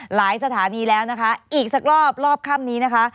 สถานีแล้วนะคะอีกสักรอบรอบค่ำนี้นะคะ